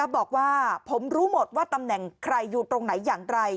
บอกว่าผมรู้หมดว่าตำแหน่งใครอยู่ตรงไหนอย่างไร